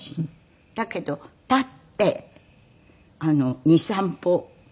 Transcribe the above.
だけど立って２３歩歩けたの。